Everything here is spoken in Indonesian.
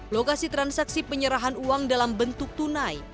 lokasi transaksi penyerahan uang dalam bentuk tunai